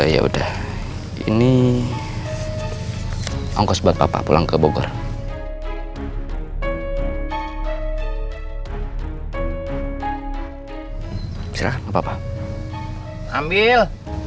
ya udah ini ongkos buat bapak pulang ke bogor apa apa ambil